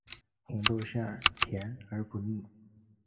红豆馅甜而不腻